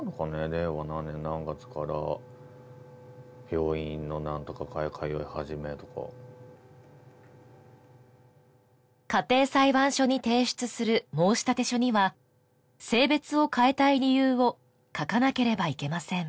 令和何年何月から病院の何とか科へ通い始めとか家庭裁判所に提出する申立書には性別を変えたい理由を書かなければいけません